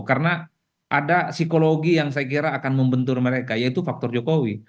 karena ada psikologi yang saya kira akan membentur mereka yaitu faktor jokowi